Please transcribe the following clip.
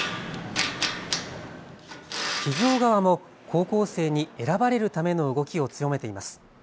企業側も高校生に選ばれるための動きを強めています。